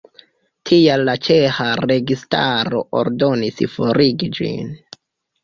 Tial la ĉeĥa registaro ordonis forigi ĝin.